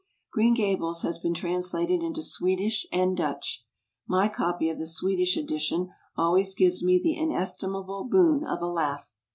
Green Gables has been translated into Swedish and Dutch. My copy of the Swedish edition always gives me the inestimable boon of a laugh.